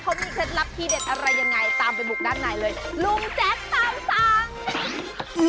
ตามไปบุกด้านในเลยลุงแจ๊กตามสั่ง